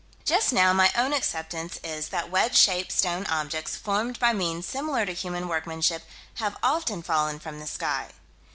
Just now, my own acceptance is that wedge shaped stone objects, formed by means similar to human workmanship, have often fallen from the sky.